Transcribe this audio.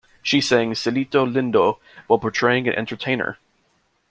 She sang "Cielito Lindo" while portraying an entertainer.